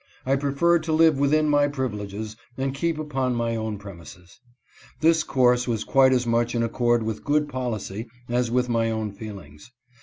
I preferred to live within my privileges and keep upon my own premises. This course was quite as much in accord with good policy as with my own feel ings.